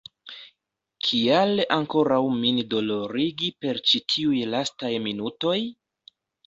Kial ankoraŭ min dolorigi per ĉi tiuj lastaj minutoj?